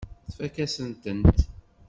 Tfakk-asen-tent.